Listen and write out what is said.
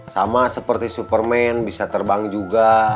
sama seperti superman bisa terbang juga